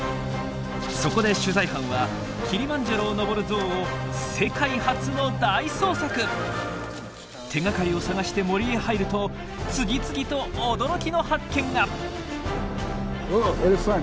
そこで取材班はキリマンジャロを登るゾウを手がかりを探して森へ入ると次々と驚きの発見が！